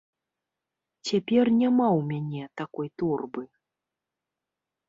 Цяпер няма ў мяне такой торбы.